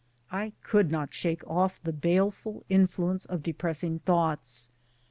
I could not shake off the baleful influence of depressing thoughts.